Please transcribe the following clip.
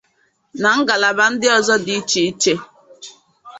na ngalaba ndị ọzọ dị iche iche.